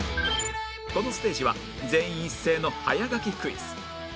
このステージは全員一斉の早書きクイズ